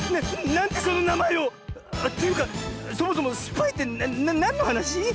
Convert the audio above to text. なんでそのなまえを⁉というかそもそもスパイってなんのはなし？